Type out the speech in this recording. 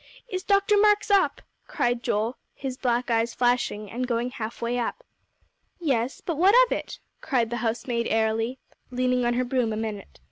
"Is Dr. Marks up?" cried Joel, his black eyes flashing, and going halfway up. "Yes; but what of it?" cried the housemaid airily, leaning on her broom a minute.